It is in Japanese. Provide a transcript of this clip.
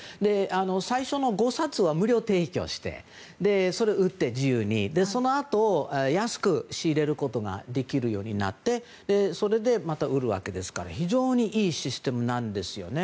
最初の５冊は無料提供してそれを自由に売ってそのあと安く仕入れることができるようになってそれでまた売るわけですから非常にいいシステムなんですよね。